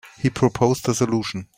He proposed a solution.